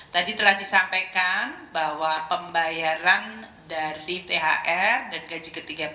tadi telah disampaikan bahwa pembayaran dari thr dan gaji ke tiga belas